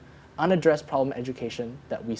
pendidikan problem yang tidak diadakan